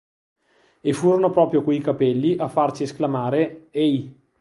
E furono proprio quei capelli a farci esclamare: -Ehi!